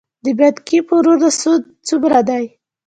د بانکي پورونو سود څومره دی؟